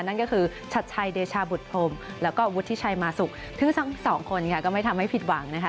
นั่นก็คือชัดชัยเดชาบุตรพรมแล้วก็วุฒิชัยมาสุกซึ่งทั้งสองคนค่ะก็ไม่ทำให้ผิดหวังนะคะ